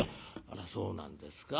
「あらそうなんですか。